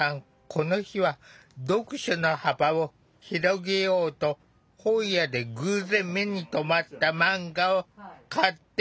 この日は読書の幅を広げようと本屋で偶然目に留まったマンガを買ってみることに。